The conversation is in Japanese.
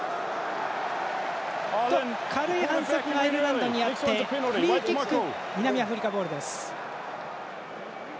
軽い反則がアイルランドにあってフリーキック、南アフリカボール。